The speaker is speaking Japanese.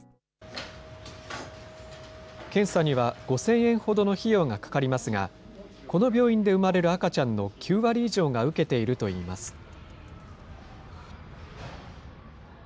検査には５０００円ほどの費用がかかりますが、この病院で産まれる赤ちゃんの９割以上が受けているといいます。